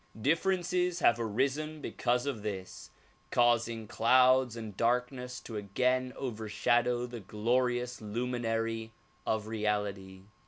Differences have arisen because of this, causing clouds and darkness to again overshadow the glorious luminary of Reality.